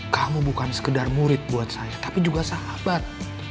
kamu bukan sekedar murid buat saya tapi juga sahabat